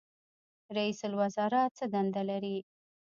رئیس الوزرا څه دندې لري؟